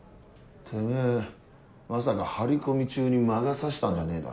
てめぇまさか張り込み中に魔が差したんじゃねえだろうな？